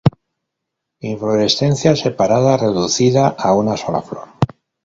Inflorescencia separada, reducida a una sola flor.